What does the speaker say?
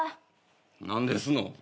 何ですの？